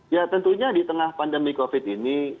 ya tentunya di tengah pandemi covid ini